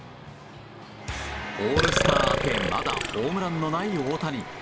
オールスター明けまだホームランのない大谷。